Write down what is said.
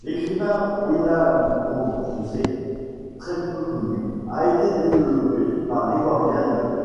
L'écriture winanckôkrousè, très peu connue, a été développée par l'Ivoirien Dr.